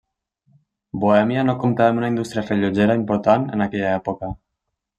Bohèmia no comptava amb una indústria rellotgera important en aquella època.